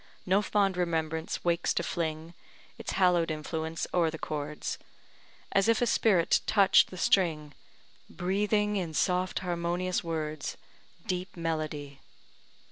No fond remembrance wakes to fling Its hallowed influence o'er the chords; As if a spirit touch'd the string, Breathing, in soft harmonious words, Deep melody.